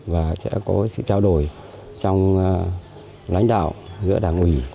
và sẽ có sự trao đổi trong lãnh đạo giữa đảng ủy